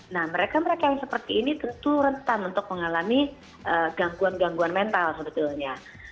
nah mereka mereka yang seperti ini tentu rentan untuk mengalami gangguan gangguan mental sebetulnya